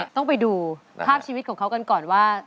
ต้องไปดูภาพชีวิตของเขากันก่อนว่า